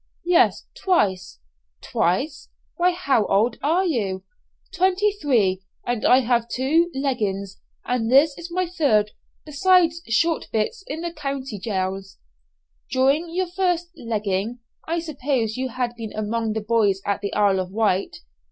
"Yes, twice." "Twice! Why, how old are you?" "Twenty three, and I have done two 'leggings,' and this is my third, besides short bits in the county jails." "During your first 'legging' I suppose you had been among the boys at the Isle of Wight?"